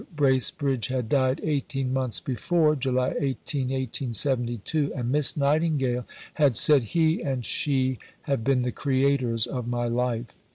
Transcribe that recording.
Bracebridge had died eighteen months before (July 18, 1872), and Miss Nightingale had said: "He and she have been the creators of my life.